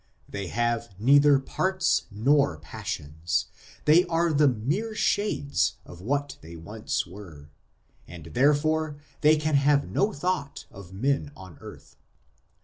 They have neither parts nor passions, they are the mere shades of what they once were ; and therefore they can have no thought of men on earth.